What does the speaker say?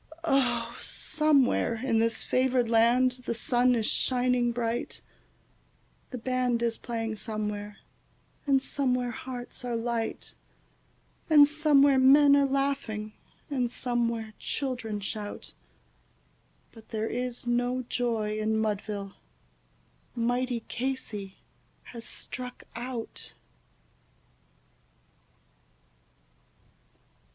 Oh, somewhere in this favoured land the sun is shining bright, The band is playing somewhere, and somewhere hearts are light, And somewhere men are laughing, and somewhere children shout; But there is no joy in Mudville mighty Casey has struck out.